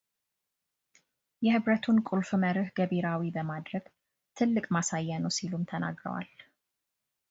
የህብረቱን ቁልፍ መርህ ገቢራዊ በማድረግ ትልቅ ማሳያ ነው ሲሉም ተናግረዋል።